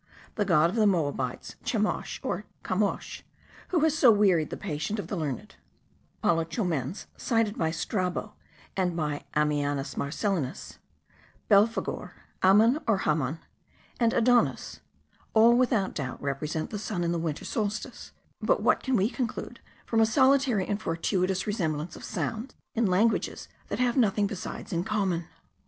The god of the Moabites, Chemosh, or Camosch, who has so wearied the patience of the learned; Apollo Chomens, cited by Strabo and by Ammianus Marcellinus; Belphegor; Amun or Hamon; and Adonis: all, without doubt, represent the sun in the winter solstice; but what can we conclude from a solitary and fortuitous resemblance of sounds in languages that have nothing besides in common?